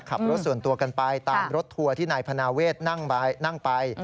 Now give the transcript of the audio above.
ขับรถส่วนตัวกันไปตามรถทัวร์ที่นายพนาเวทนั่งไป